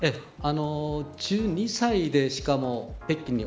１２歳で、しかも北京に